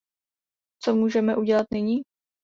Co můžeme udělat nyní?